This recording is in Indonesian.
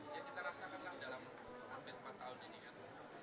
ya kita rasakan dalam ampe empat tahun ini kan